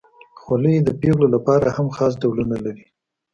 خولۍ د پیغلو لپاره هم خاص ډولونه لري.